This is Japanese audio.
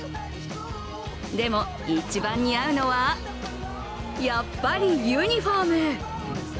でも、一番似合うのは、やっぱりユニフォーム。